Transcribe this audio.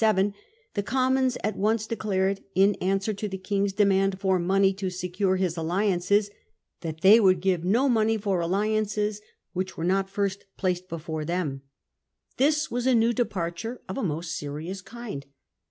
1677. ment on May 31, 1677, the Commons at once declared, in answer to the King's demand for money to secure his alli ances, that they would give no money for alliances which were not first placed before them. This was a new departure of a most serious kind.